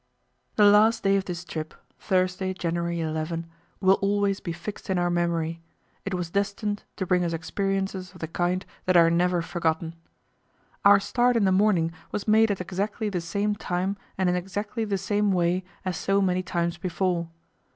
The last day of this trip Thursday, January 11 will always be fixed in our memory; it was destined to bring us experiences of the kind that are never forgotten. Our start in the morning was made at exactly the same time and in exactly the same way as so many times before.